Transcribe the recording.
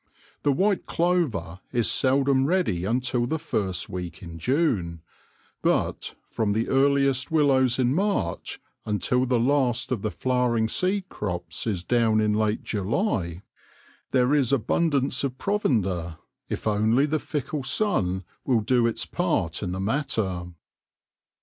The white clover is seldom ready until the first week in June ; but, from the earliest willows in March until the last of the flowering seed crops is down in late July, there is abundance of provender, if only the fickle sun will do its part in the matter.